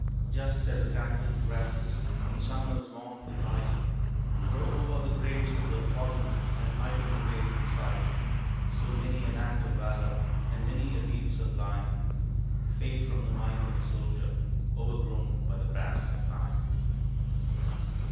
Just as the tangled grasses, In Summer's warmth and light, Grow over the graves of the fallen And hide them away from sight, So many an act of valor, And many a deed sublime, Fade from the mind of the soldier, O'ergrown by the grass of time.